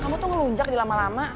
kamu tuh ngelunjak dilama lama